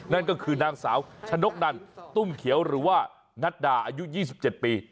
นั่นก็คือนางสาวชะนกนันตุ้มเขียวหรือว่านัดดาอายุ๒๗ปี